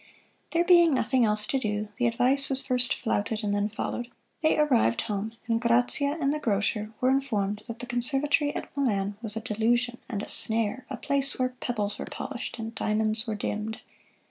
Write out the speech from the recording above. There being nothing else to do, the advice was first flouted and then followed. They arrived home, and Grazia and the grocer were informed that the Conservatory at Milan was a delusion and a snare "a place where pebbles were polished and diamonds were dimmed."